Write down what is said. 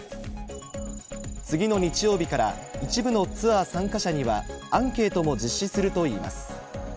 次の日曜日から一部のツアー参加者にはアンケートも実施するといいます。